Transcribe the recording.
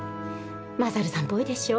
勝さんっぽいでしょう？